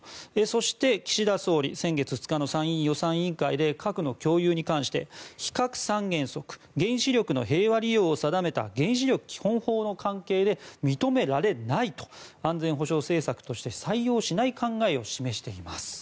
そして岸田総理は先月２日の参院予算委員会で核の共有に関して非核三原則、原子力の平和利用を定めた原子力基本法の関係で認められないと安全保障政策として採用しない考えを示しています。